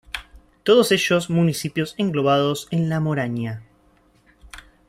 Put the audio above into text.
Todos ellos municipios englobados en la Moraña.